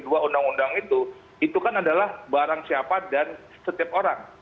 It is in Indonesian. dua undang undang itu itu kan adalah barang siapa dan setiap orang